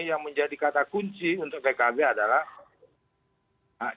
yang menjadi kata kunci untuk pkb adalah